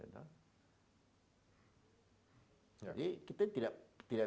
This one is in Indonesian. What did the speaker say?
jadi kita tidak